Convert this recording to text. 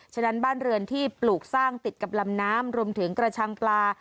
ฉะนั้นบ้านเรือนที่ปลูกสร้างติดกับลำน้ำรวมถึงกระชังปลา